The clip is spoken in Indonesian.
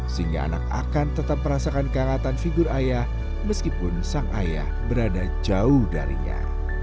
sehingga anak akan tetap merasakan kehangatan figur ayah meskipun sang ayah berada jauh darinya